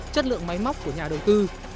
chất lượng máy móc của nhà đầu tư